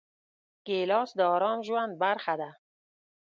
ګیلاس د ارام ژوند برخه ده.